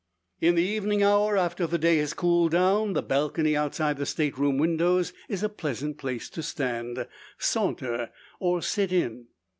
In the evening hour, after the day has cooled down, the balcony outside the state room windows is a pleasant place to stand, saunter, or sit in.